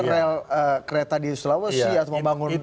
rel kereta di sulawesi atau membangun elevated lrt